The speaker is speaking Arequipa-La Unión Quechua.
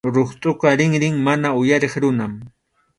Ruqtʼuqa rinrin mana uyariq runam.